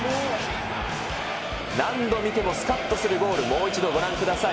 何度見てもすかっとするゴール、もう一度ご覧ください。